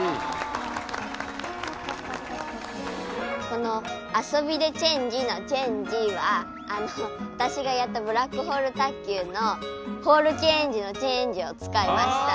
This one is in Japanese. この「遊びでチェンジ」の「チェンジ」は私がやったブラックホール卓球のホールチェンジの「チェンジ」を使いました。